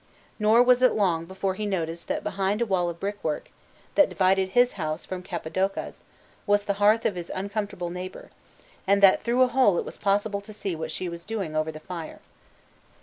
Nor was it long before he noticed that behind a wall of brickwork, that divided his house from Capodoca's, was the hearth of his uncomfortable neighbour, and that through a hole it was possible to see what she was doing over the fire.